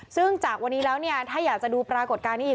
ซึ่งจากวันนี้แล้วเนี่ยถ้าอยากจะดูปรากฏการณ์นี้อีก